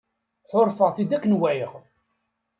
Ḥuṛfeɣ-t-id akken wɛiɣ.